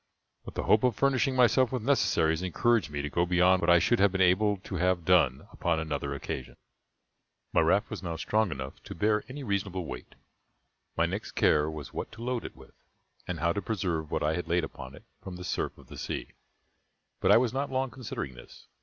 But the hope of furnishing myself with necessaries encouraged me to go beyond what I should have been able to have done upon another occasion. My raft was now strong enough to bear any reasonable weight. My next care was what to load it with, and how to preserve what I laid upon it from the surf of the sea; but I was not long considering this.